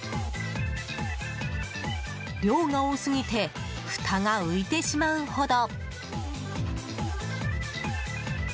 量が多すぎてふたが浮いてしまうほど！